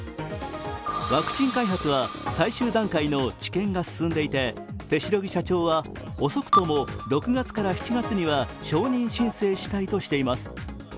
ワクチン開発は最終段階の治験が進んでいて、手代木社長は遅くとも６月から７月には承認申請したいとしています。